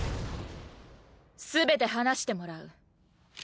全て話してもらう。